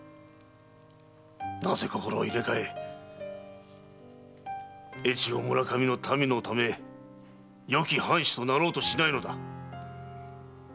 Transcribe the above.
なぜ心を入れ替え越後村上の民のためよき藩主となろうとしないのだ？